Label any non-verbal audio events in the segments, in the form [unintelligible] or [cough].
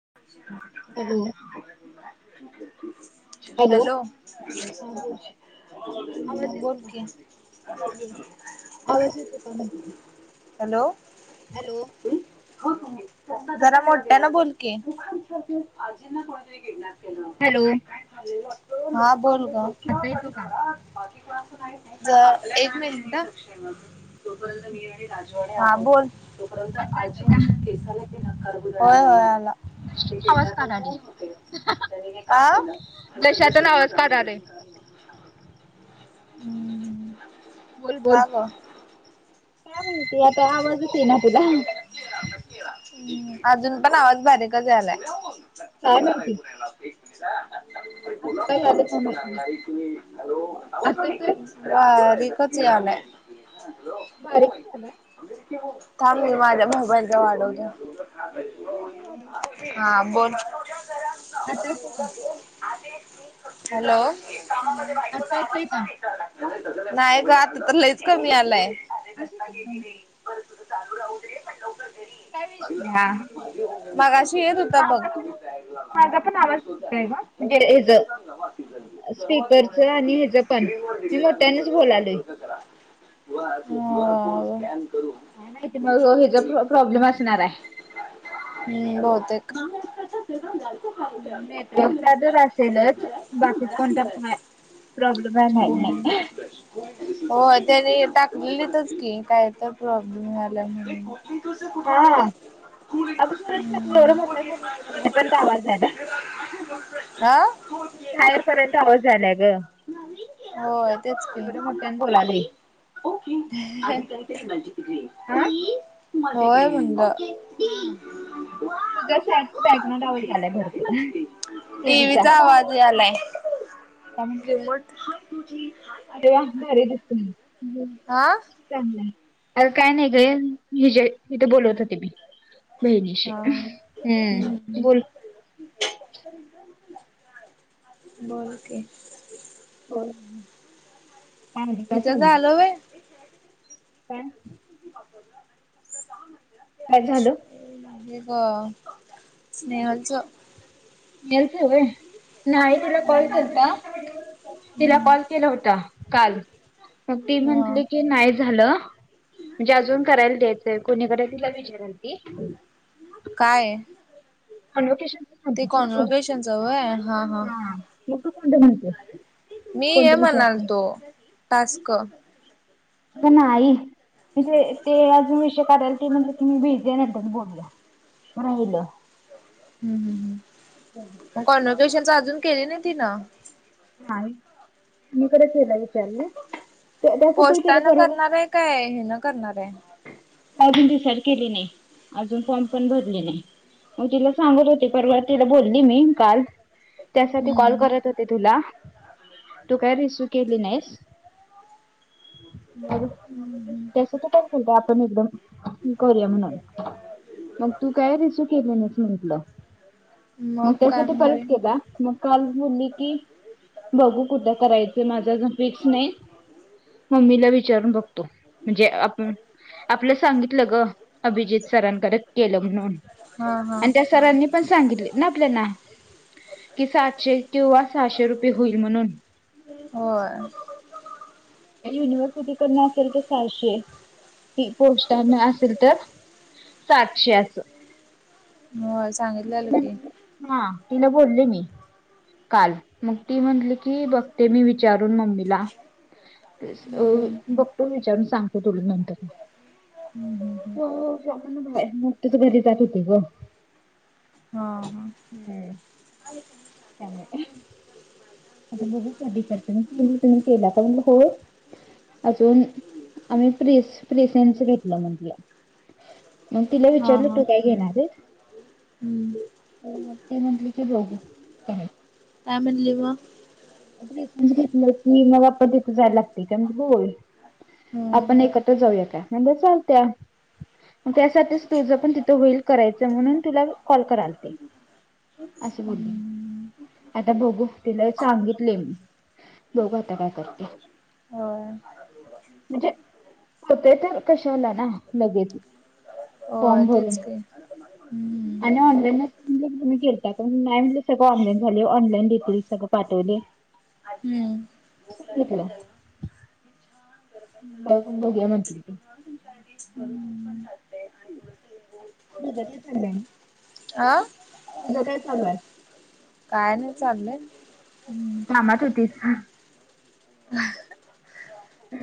[inaudible] Hello hello हा बोल आवाज येतो बोल का की. बोल बोल आवाज येतो का म्हटलं हॅलो हॅलो जरा मोठ्यांनी बोल की. हॅलो हा बोल ग. आता येतो का? जरा एक मिनिट. हा बोल होय होय आला. बा [inaudible] आवाज काढायली कशातून आवाज काढाल. हम्म बोल बोल का ग काय म्हणती आता आवाजच येईना तुझा. हम् अजून पण आवाज बारीकच यायलाय. काय [unintelligible] अस काय झालं आता येतोय हा रिकच यायलाय. बारीक झाला. थांब मी माझ्या मोबाईलचा वाढवते. [unintelligible] हां. बोल. आता येतोय का? हॅलो. हॅलो. आत्ता येतोय का? नाही ग. आता तर लईच कमी यायलाय. असं कस? बरं तुझं चालू राहू दे. पण लवकर - [unintelligible] ना. मगाशी येत होता बघ. माझा पण, माझा पण आवाज येतोय ना? [unintelligible] सहभागी स्पीकरच आणि होण्यासाठी ह्याचं पण. स्क्रीनवर मी दिलेल्या मोठ्यानेच बोलायलोय. हां. व. नाही त मग ह ह्याचा प्रॉब्लेम असणार रे. हम्म. बहुतेक. नेटवर्कचा तर असेलच. बाकीच कोणता प- प्रॉब्लेम आहे माहीत नाही. होय. त्याने हे टाकलेलीतच की काय तर प्रॉब्लेम आलाय म्हणून. कुठे हा आहेस? अगं खरंच हं. का तू एवढं मोठ्याने बोलत होती ना, पण तो आवाज झाला हां? बाहेर पर्यंत आवाज झालाय ग हो तेच एवढं मोठ्याने की. बोलालोय होय. हा म्हणलं. हां. तुझा [unintelligible] झालाय भरपूर ते टीव्हीचा विचार. [unintelligible] किंमत [unintelligible] अरे वा! भारी दिसतय. आं? चांगलंय. अग काय नाही न ते ह जे तिथे बोलवत होते मी. बहिणीशी. हम्म. बोल. बोल की. बोल. काय म्हणते, काय तीच चाललंय झाल व्हय? काय? [unintelligible] काय झालं? [unintelligible] नाही ग. स्नेहलच. म्युट आहे व्हय. मी [unintelligible] कॉल केलता. तिला कॉल हम्म केला होता काल. मग ती हा म्हटली की नाही झालं. म्हणजे अजून करायला द्यायचंय. कोणी कडे तिला विचारल ती. काय? [unintelligible] म्हणते ते ना तू? कॉन्व्होकेशनच व्हय हा. मग तू कोणत म्हणते? मी हे म्हणाल होतो टास्क. पण नाही. म्हणजे ते अजून विषय काढायला ते म्हटले की मी भेटू या नंतर बोलू या. राहिल. हूं हूं मग कॉन्वर्केशन चं अजून केली नाही तिन. नाही मीकडेच हेला विचारलं तस तु केल पोस्टानं परवा. करणार आहे काय हे न करणार आहे. अजून डिसाईड केली नाही, अजून फॉर्म पण भरले नाही. मग तिला सांगत होते परवा तिला बोलली मी काल, त्यासाठी कॉल हम्म करत होते. ते तुला तू काय रिसीव केली नाहीस. मर! हूं हूं! तस तू काय खुलते आता न एकदम नी करूया म्हणून. मग तू काय रिसीव केले नाहीस म्हटलं मग काय त्यासाठी म्हणले परत केला मग. काल बोलली की बघू कुठं करायचं, माझ अजून फिक्स नाही. मम्मीला विचारून बघतो म्हणजे आप आपलं सांगितलं ग अभिजित सरांकड केलं म्हणून. हां हां! ती पण सांगितले ना आपल्याना, कि सातशे किंवा सहाशे रुपये होईल म्हणून. होय! युनिव्हर्सिटीकडन असेल तर सहाशे फी पोस्टांन असेल तर? सातशे असं. होय सांगितलेलं की. हा तिलन बोलले मी. काल मग ती म्हणली की बघते मी विचारून मम्मीला. ते स अ हम्म बघतो विचारून सांगतो तुला नंतर म. [inaudible] तो जामणा बाहेर नुकतीच घरी जात होते ग. हा हा [unintelligible] [unintelligible] अजून आम्ही प्रिस-प्रिसेनचं घेतलं म्हतलीया. मग तिला विचारलं तू काय घेणार आहेस. हूं! ती म्हटली की बघू काय. काय म्हणली म. [unintelligible] घेतलं की मग मला पण तिथं जायला लागतय त्यामुळे बोल. हम्म आपण एकत्र जाऊया काय मी म्हणल चालत्या. मग त्यासाठीच तुझ पण तिथं होईल करायचं म्हणून तुला कॉल करालते. असं बोलली हम्म आता बघू तिला सांगित ले मी बघू आता काय करते. होय! म्हणजे होतय तर कशाला ना लगेच. होय फॉमं भरून. तेच की आणि हम्म ऑनलाईन अस तुम्ही गेलता त मॅम म्हणली सगळं ऑनलाईन झाले ऑनलाईन देतील सगळं पाठवले. हूं! सांगितलं. बघ बघूया म्हंनतील ती. [inaudible] सध्या तेंच चाललंय आणि. आ! गेले सगळे. काय नाही चाललंय. कामात होतीस?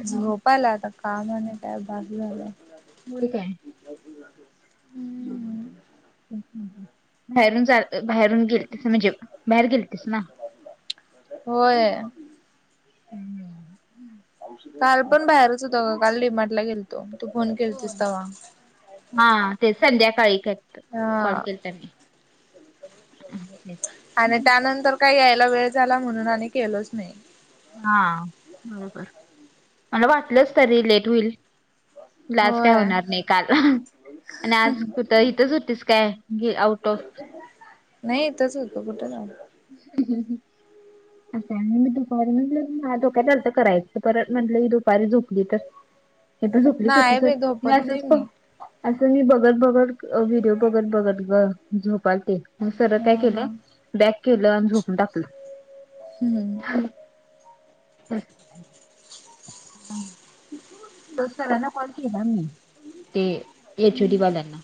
झोप आल्या आता, काम आणि काय बास झालंय. मूड काय? हम्म [inaudible] बाहेरून चालत, बाहेरून गेल तस म्हणजे बाहेर गेलती स ना. होय! [inaudible] काल पण बाहेरच होतो, काल डी मार्ट ला गेलतो तू फोन केलतीस होय. तवा. हा ते संध्याकाळी करतात कॉल हा केलता मी तेच. आणि त्यानंतर काय यायला वेळ झाला, म्हणून आणि केलोच नाही. हा बरोबर मला वाटलंच तरी लेट होईल. ल आज काय होय होणार नाही काल आणि आज. त इथच होतीस काय गी आउट ऑफ. नही इथंच होतो कुठ जानार. [unintelligible] मी दुपारी म्हनलं माह्या डोक्यात आलतं करायचं परत म्हनलं ही दुपारी झोपली तर. ते तर झोपलीच होतीस नाही बाई व्हयं, मी झोपत नाही असच पडू असं मी बघत, बघत व्हिडिओ बघत, बघत ग झोपालते. मं सरळ हा काय हा केलं बॅक केलं आणि झोपून टाकलं. हूं हूं! [unintelligible] [unintelligible] त सरांना कॉल केला मी ते एचओडी वाल्यांना.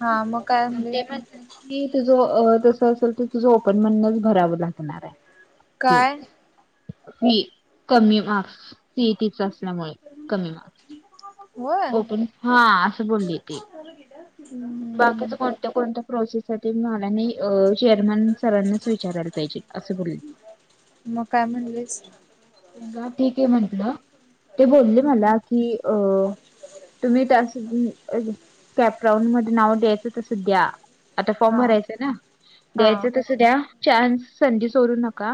हा मग काय म्हणले ते म्हणतात की तुझ तस असेल त, तुझं ओपन मधनं भरावं लागणार आहे. फी काय फी कमी मार्क्स. सीईटीच असल्यामुळे कमी मार्क्स होय ओपन हा असं बोलली ती. [inaudible] बाकीच कोणत्या, कोणत्या प्रोसेससाठी म्हणा नही अ चेअरमॅन सरांनाच विचारायला पाहिजे असं बोलली. मग काय म्हणलेस? गा ठीक आहे म्हंटलं. ते बोलले मला की अ तुम्ही त्या असं कॅपराऊड म नाव द्यायचं तस द्या आता फॉर्म हा भरायच ना हा द्यायचं त स द्या चान्स संधी सोडू नका.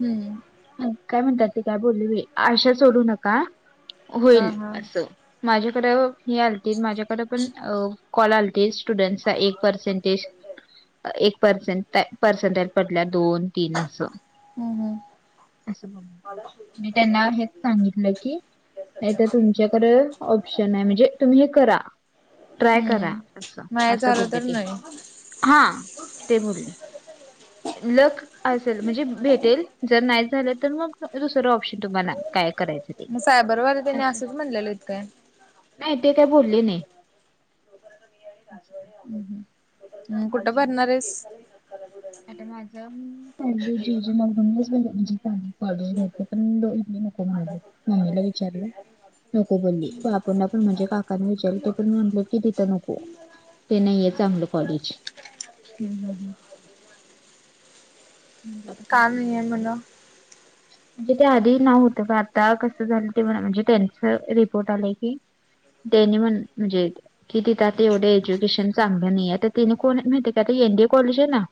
हूं! आणि काय म्हणतात ते काय बोलले आशा सोडू नका हा होईल हा असं. माझ्याकड अ ही आलती माझ्याकडे पण अ कॉल आल ते स्टुडंट चा एक पर्सेंटेज, एक परसेन्ट काय पर्सेंटेज पडल्या दोन. तीन अस हम्म हम्म असं बो मी त्यांना हेच सांगितलं की. नाही त तुमच्याकड ऑप्शन आहे, म्हणजे तुम्ही हे करा ट्राय करा. हम्म. अस नाही असं झालं बोलले तर ते, नाही हा ते बोलले लक असेल म्हणजे भेटेल जरं नाहीं झालं तरं मंग दुसरं ऑप्शन तुम्हांला कायं करायचं. ते मंग सायबरवालं त्यांनी असंच म्हणलेलंत कायं नाहीं ते कायं बोलले नाहीं. हम्मं कुठं भरणांर आहेसं आंता माझं पाहिले जी जे मगंदूम म्हणतं कॉलेज घ्यायचं पणं इे नको म्हणाले मम्मीलां विचारलं नको बोलली पपांनी पणं म्हणजे काकांनी विचारली ते पणं म्हटले की तिथं नको. ते नाहींये चांगलं कॉलेज म्हणलं आता काय कामं नाहीं करणार? आहे म्हणं. [unintelligible] [unintelligible] म्हणजे ते आधी नांव होतं गं आंता कसं झालं ते बरं म्हणजे त्यांच रिपोर्ट आलंय की तेनी म्हणं म्हणजे कि तिथं आंता तेवढे एज्युकेशन चांगलं नाहीं आंता तिने कोणं आहे माहिती कायं आंता एनडीए कॉलेज आहे नां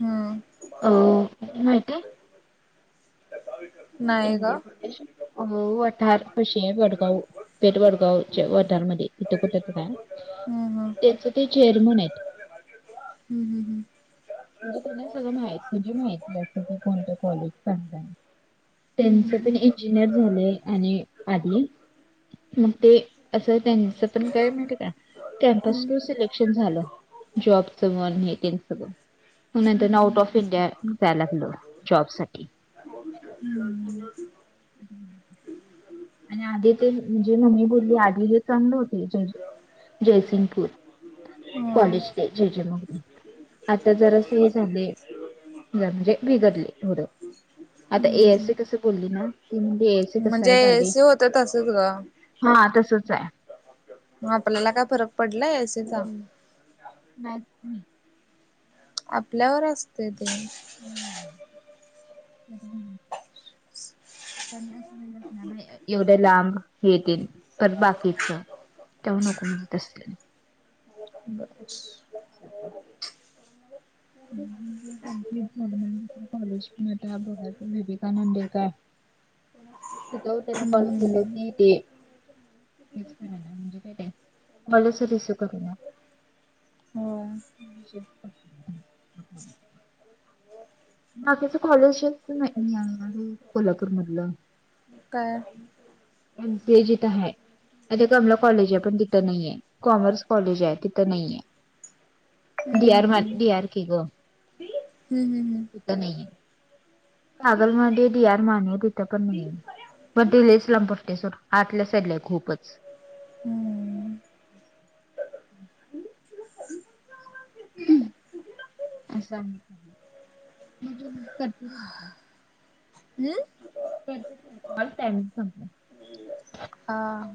हां अं माहिती आहे कां नाही का एडीये काॅलेज वठांर पाशी आहे वडगांव पेठवडगांवच्यां वठांरमध्यें इथं कुंठे तरं आहे. हम्म त्यांचं ते चेअरमंन आहेतं. हम्मं हम्मं हमं म्हणजे सगळं माहीत तुझी माहिती असतं की कोणतं कॉलेज सांगताय हम्म त्यांचं हम्म पणं इंजिनियर झालंय आणि आंधी मंग ते असं त्यांच पणं कायं माहिती कां कॅमपस टूं सिलेक्शन झालं जॉबच मनं नाहीं हे तीलं संग मंग नंतर आंउट ऑफ इंडिया जांय लागलं जॉब सांठी म क ला [unintelligible] हम्मं आणि आंधी ते म्हणजे मम्मी बोलली आंधी हेचं आणले होते जे जयसिंगपूंर हम्म कॉलेज ते जे जे मंग आंता जरां असं हे झाले आहे म्हणजे बिघडले थोडं आंता ऐ हम्म एसं हम्म. सी कसं बोलली नां तीनडे यांत म्हणजे सी होतं तसंच गं हां तसंच आहे आपल्यांला कायं फरक पडलांय हम्मं मं आपल्यांवर असते ते हम्मं हं पन्नास मिलं असणारं एवढे लांब हेतील तरं बाकीच तेंव्हा नको मिळतं असं [inaudible] [unintelligible] अ [inaudible] [unintelligible] कॉलेजतां बरं विवेकानंदे कां तिथं त्यांने कॉल केलं हम्म की ते राय म्हणजे कायं कॉलेजचं कां दिसतां नां हो हीशेब पहां बाकीच कॉलेजचं नाहीं आहेणारं कोल्हांपूर मधलं कायं पेजितं आहे आंता कमला कॉलेज आहे पणं तिथं नाहींये कॉमर्स कॉलेज आहे तिथं नाहींये दि हम्म आर बांद दि आर के गं हम्मं हम्मं हमं तंदी कागंल मध्यें डी आर माने देतां परंणी मं तेलेच लांबर्टे सो आंतल्या साईडला आहे खूपचं हम्म हम्म हम्मं असां म्हणजे करते रे हम्मं हम्मं असं आहे सांगलं हां